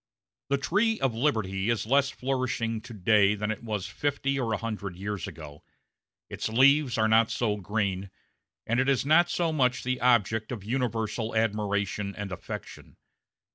The tree of liberty is less flourishing to day than it was fifty or a hundred years ago; its leaves are not so green, and it is not so much the object of universal admiration and affection.